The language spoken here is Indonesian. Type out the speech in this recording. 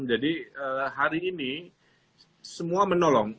jadi hari ini semua menolong